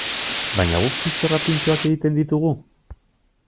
Baina guk txistorra pintxoak egiten ditugu?